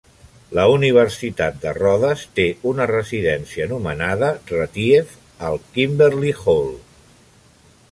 La Universitat de Rodes té una residència anomenada Retief, al Kimberley Hall.